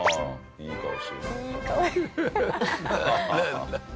いい顔してるよ。